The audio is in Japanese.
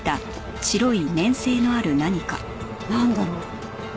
なんだろう？